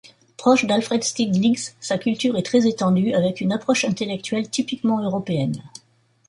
Proche d'Alfred Stieglitz, sa culture est très étendue, avec une approche intellectuelle typiquement européenne.